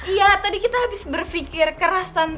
iya tadi kita habis berfikir keras tante